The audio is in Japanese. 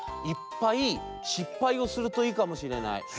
いっぱいしっぱいをするといいかもしれない。